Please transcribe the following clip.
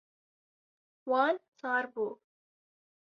Wan sar bû.